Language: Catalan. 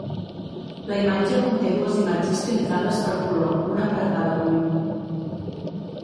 La imatge conté dues imatges filtrades per color, una per a cada ull.